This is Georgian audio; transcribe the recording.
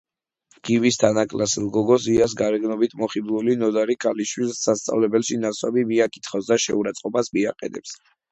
გივის თანაკლასელ გოგოს, იას გარეგნობით მოხიბლული ნოდარი ქალიშვილს სასწავლებელში ნასვამი მიაკითხავს და შეურაცხყოფას მიაყენებს.